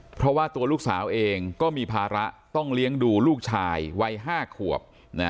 เพราะว่าตัวลูกสาวเองก็มีภาระต้องเลี้ยงดูลูกชายวัย๕ขวบ